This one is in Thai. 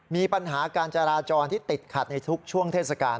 มีปัญหาการจราจรที่ติดขัดในทุกช่วงเทศกาล